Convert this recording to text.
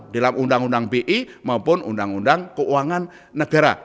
dalam undang undang bi maupun undang undang keuangan negara